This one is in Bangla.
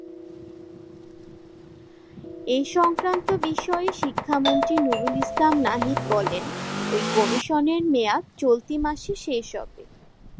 এ সংক্রান্ত বিষয়ে শিক্ষামন্ত্রী নুরুল ইসলাম নাহিদ বলেন, ‘ওই কমিশনের মেয়াদ চলতি মাসে শেষ হবে।